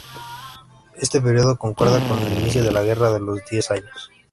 Este periodo concuerda con el inicio de la Guerra de los diez años.